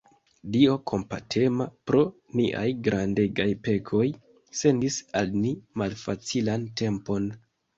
Dio kompatema, pro niaj grandegaj pekoj, sendis al ni malfacilan tempon.